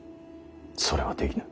それはできぬ。